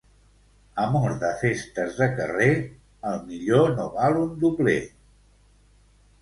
Amor de festes de carrer, el millor no val un dobler.